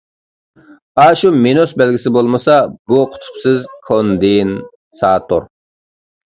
ئاشۇ مىنۇس بەلگىسى بولمىسا، بۇ قۇتۇپسىز كوندېنساتور.